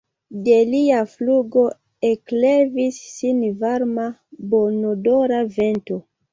De lia flugo eklevis sin varma, bonodora vento.